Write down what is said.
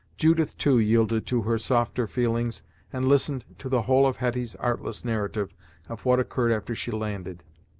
Judith, too, yielded to her softer feelings, and listened to the whole of Hetty's artless narrative of what occurred after she landed.